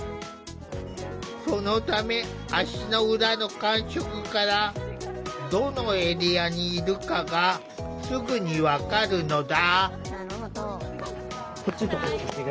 そのため足の裏の感触からどのエリアにいるかがすぐに分かるのだ。